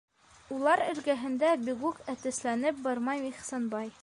Улар эргәһендә бигүк әтәсләнеп бармай Ихсанбай.